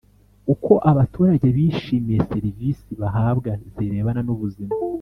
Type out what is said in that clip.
Uko abaturage bishimiye serivisi bahabwa zirebana n ubuzima